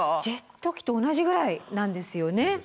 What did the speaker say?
ジェット機と同じぐらいなんですよね。